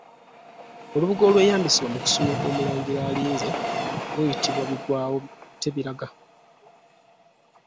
Olubugo olweyambisibwa mu kusumika Omulangira alinze luyitibwa Bigwawotebiraga.